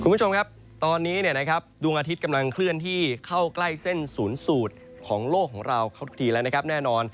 คุณผู้ชมครับตอนนี้ดวงอาทิตย์กำลังเคลื่อนที่เข้าใกล้เส้นศูนย์สูตรของโลกของเราเขาทุกทีแล้วนะครับแน่นอน